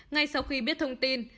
ngay sau khi biết thông tin